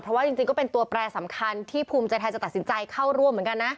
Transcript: เพราะว่าจริงก็เป็นตัวแปรสำคัญที่ภูมิใจไทยจะตัดสินใจเข้าร่วมเหมือนกันนะ